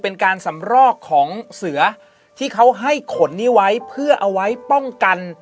เป็นการสำรอกของเสือที่เขาให้ขนนี้ไว้เพื่อเอาไว้ป้องกัน